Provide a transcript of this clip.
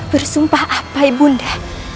bersumpah apa ibunda